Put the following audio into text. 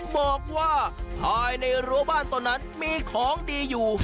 บอกว่าภายในรั้วบ้านตอนนั้นมีของดีอยู่